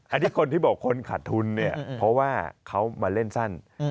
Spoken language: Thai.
อันนี้คนที่บอกคนขาดทุนเนี่ยเพราะว่าเขามาเล่นสั้น